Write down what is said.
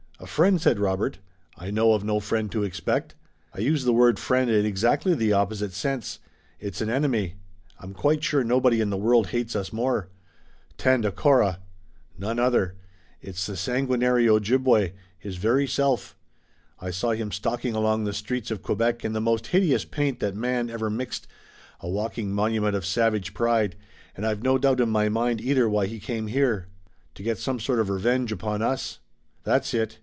"A friend!" said Robert. "I know of no friend to expect." "I used the word 'friend' in exactly the opposite sense. It's an enemy. I'm quite sure nobody in the world hates us more." "Tandakora!" "None other. It's the sanguinary Ojibway, his very self. I saw him stalking along the streets of Quebec in the most hideous paint that man ever mixed, a walking monument of savage pride, and I've no doubt in my mind either why he came here." "To get some sort of revenge upon us." "That's it.